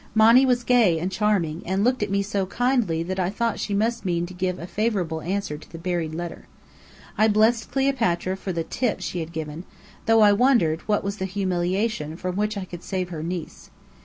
Monny was gay and charming, and looked at me so kindly that I thought she must mean to give a favorable answer to the buried letter. I blessed Cleopatra for the "tip" she had given, though I wondered what was the "humiliation" from which I could save her niece.